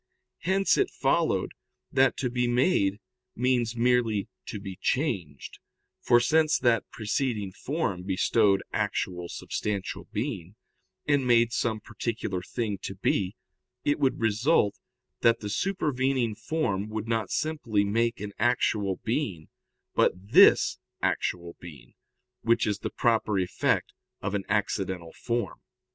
Hence, it followed that to be made means merely to be changed; for since that preceding form bestowed actual substantial being, and made some particular thing to be, it would result that the supervening form would not simply make an actual being, but 'this' actual being; which is the proper effect of an accidental form.